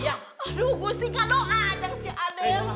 aduh gusti kalo aja si aden